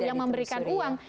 yang memberikan uang